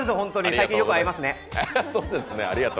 最近よく会いますね。